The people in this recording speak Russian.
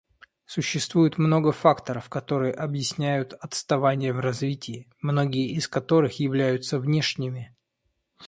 Существует много факторов, которые объясняют отставание в развитии, многие из которых являются внешними.